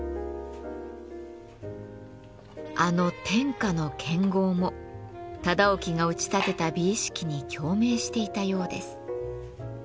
あの天下の剣豪も忠興が打ち立てた美意識に共鳴していたようです。